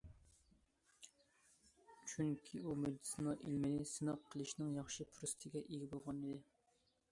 چۈنكى ئۇ مېدىتسىنا ئىلمىنى سىناق قىلىشنىڭ ياخشى پۇرسىتىگە ئىگە بولغانىدى.